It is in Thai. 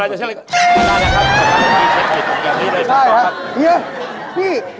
อาหารการกิน